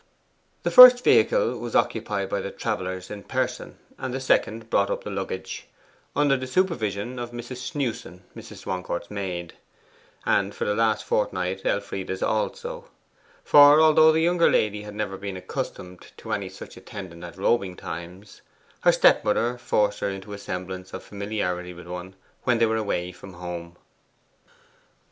The first vehicle was occupied by the travellers in person, and the second brought up the luggage, under the supervision of Mrs. Snewson, Mrs. Swancourt's maid and for the last fortnight Elfride's also; for although the younger lady had never been accustomed to any such attendant at robing times, her stepmother forced her into a semblance of familiarity with one when they were away from home.